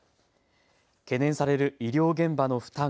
懸念される医療現場の負担。